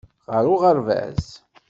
Ɣer uɣerbaz.